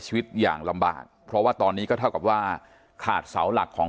ชีวิตอย่างลำบากเพราะว่าตอนนี้ก็เท่ากับว่าขาดเสาหลักของ